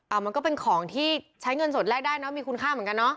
มันก็เป็นของที่ใช้เงินสดแรกได้เนอะมีคุณค่าเหมือนกันเนาะ